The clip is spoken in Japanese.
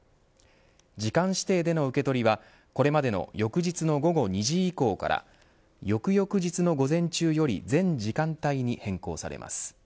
時間指定での受け取りはこれまでの翌日の午後２時以降から翌々日の午前中より全時間帯に変更されます。